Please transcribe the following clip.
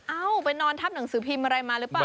ไปนอนทับหนังสือพิมพ์อะไรมาหรือเปล่า